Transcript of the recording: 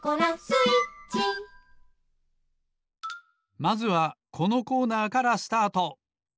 まずはこのコーナーからスタート！